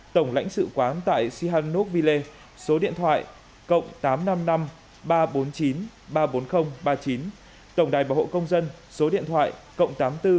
tổng lãnh sự quán tại sihanoukville số điện thoại cộng tám trăm năm mươi năm ba trăm bốn mươi chín ba trăm bốn mươi ba mươi chín tổng đài bảo hộ công dân số điện thoại cộng tám mươi bốn chín trăm tám mươi một tám nghìn bốn trăm tám mươi bốn tám mươi bốn